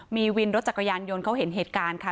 มีวินรถจักรยานยนต์เขาเห็นเหตุการณ์ค่ะ